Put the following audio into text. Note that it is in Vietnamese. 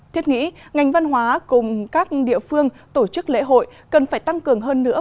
thiết nghĩ ngành văn hóa cùng các địa phương tổ chức lễ hội cần phải tăng cường hơn nữa